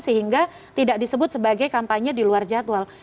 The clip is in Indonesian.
sehingga tidak disebut sebagai kampanye di luar jadwal